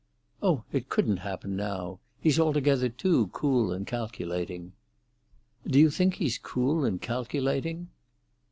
"Oh, it couldn't happen now. He's altogether too cool and calculating." "Do you think he's cool and calculating?"